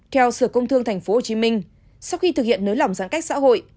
theo sở công thương tp hcm sau khi thực hiện nới lỏng giãn cách xã hội